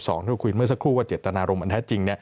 ที่เราคุยเมื่อสักครู่ว่าเจตนารมอันแท้จริง